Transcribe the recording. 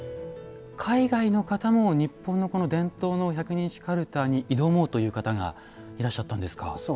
海外の方も日本の伝統の百人一首かるたに挑もうという方がいらっしゃったんですか。